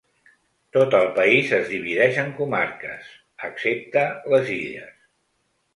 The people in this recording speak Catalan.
Tot el país es divideix en comarques, excepte les Illes.